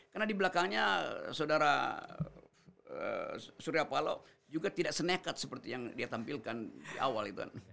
karena di belakangnya sodara surya palo juga tidak senekat seperti yang dia tampilkan di awal gitu kan